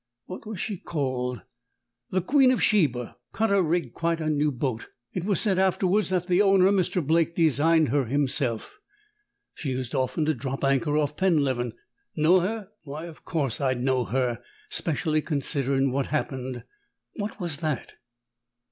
What was she called? The Queen of Sheba cutter rigged quite a new boat. It was said afterwards that the owner, Mr. Blake, designed her himself. She used often to drop anchor off Penleven. Know her? Why of course I'd know her; 'specially considerin' what happened. "'What was that?'